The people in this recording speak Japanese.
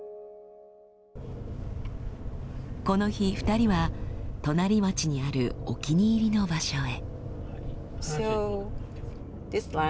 この日２人は隣町にあるお気に入りの場所へ。